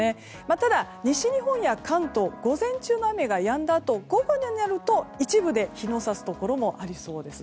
ただ、西日本や関東午前中の雨がやんだあと午後になると一部で日の差すところもありそうです。